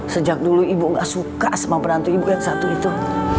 sejak dulu ibu gak suka sama perantu ibu yang satu itu